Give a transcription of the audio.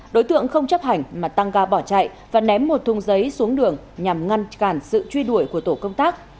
đối tượng không chấp hành mà tăng ga bỏ chạy và ném một thùng giấy xuống đường nhằm ngăn cản sự truy đuổi của tổ công tác